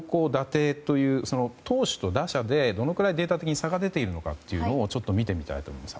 低という投手と打者でどのくらいデータ的に差が出ているかを見てみたいと思います。